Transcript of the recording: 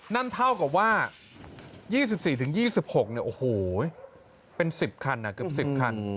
นั่นเท่ากับว่า๒๔ถึง๒๖เนี่ยโอ้โหเป็น๑๐คันนะ